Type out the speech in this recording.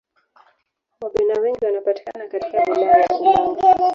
wabena wengi wanapatikana katika wilaya ya ulanga